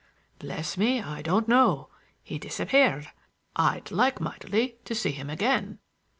"Bless me, I don't know. He disappeared. I'd like mightily to see him again."